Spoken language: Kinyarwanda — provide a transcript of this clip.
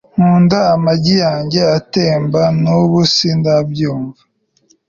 nkunda amagi yanjye atemba. nubu sindabyumva